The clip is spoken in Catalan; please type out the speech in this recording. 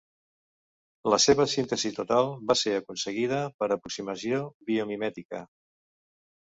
La seva síntesi total va ser aconseguida per aproximació biomimètica.